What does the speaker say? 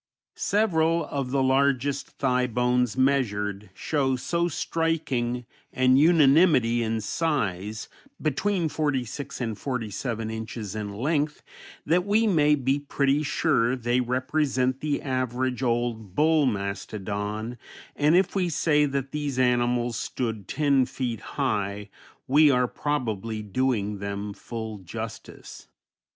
Several of the largest thigh bones measured show so striking an unanimity in size, between 46 and 47 inches in length, that we may be pretty sure they represent the average old "bull" mastodon, and if we say that these animals stood ten feet high we are probably doing them full justice.